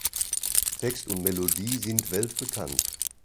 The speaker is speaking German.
Text und Melodie sind weltbekannt.